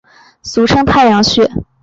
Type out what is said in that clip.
俗称太阳穴。